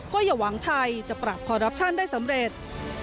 ก็อย่าหวังไทยจะปรับคอรัปชั่นได้สำเร็จ